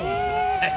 えっ。